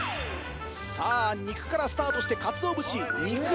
さぁ肉からスタートしてカツオ節肉